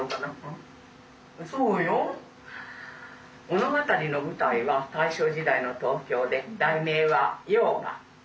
「物語の舞台は大正時代の東京で題名は『妖婆』」。